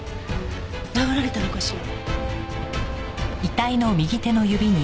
殴られたのかしら？